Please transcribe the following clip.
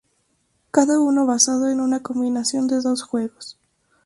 Cada uno basado en una combinación de dos juegos.